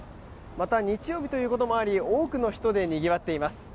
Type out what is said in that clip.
また、日曜日ということもあり多くの人でにぎわっています。